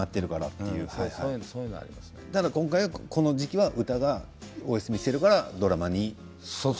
ただ今回はこの時期は歌をお休みしているからドラマにと。